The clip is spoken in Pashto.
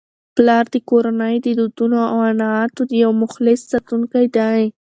پلار د کورنی د دودونو او عنعناتو یو مخلص ساتونکی دی.